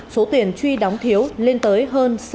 số tiền truy đóng thiếu lên tới hơn